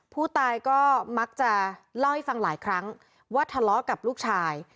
ผู้ตายก็มักจะเล่าให้ฟังหลายครั้งว่าทะเลาะกับลูกชาย